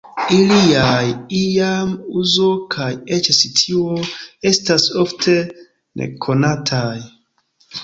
Iliaj iama uzo kaj eĉ situo estas ofte nekonataj.